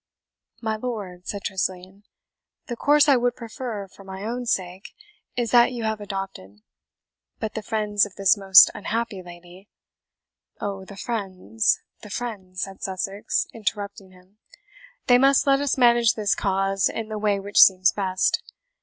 "My lord," said Tressilian, "the course I would prefer, for my own sake, is that you have adopted; but the friends of this most unhappy lady " "Oh, the friends the friends," said Sussex, interrupting him; "they must let us manage this cause in the way which seems best.